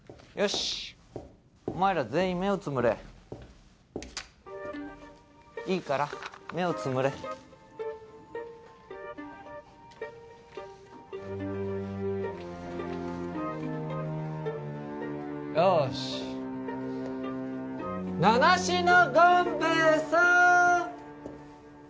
しっお前ら全員目をつむれいいから目をつむれよし名無しの権兵衛さん